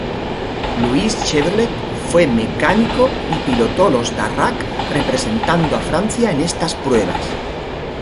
Louis Chevrolet fue mecánico y pilotó los Darracq representando a Francia en estas pruebas.